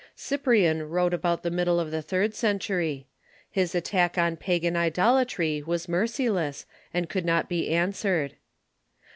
Cyprian Avrote about the middle of the third century. His attack on pagan idolatry was merciless, and could not be answered.